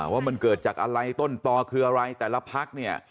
ว่ามันเกิดจากอะไรต้นต่อคืออะไรแต่ละพักเนี่ย